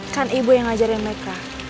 kan ibu yang ngajarin mereka